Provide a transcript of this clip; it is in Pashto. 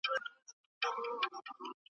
د خوب کوټه ارامه وساته